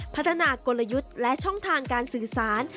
พัฒนากลยุทธ์และช่องทางการสื่อสาร